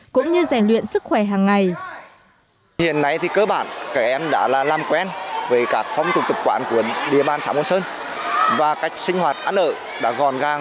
cũng như giải quyết các chuyện